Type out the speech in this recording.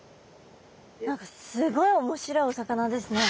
何かすごい面白いお魚ですね。